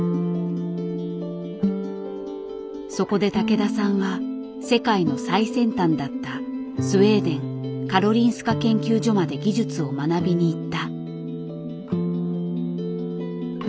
そこで竹田さんは世界の最先端だったスウェーデンカロリンスカ研究所まで技術を学びに行った。